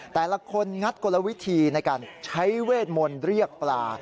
แต่ละคนงัดกลวิธีในการใช้เวทมนต์เรียกปลา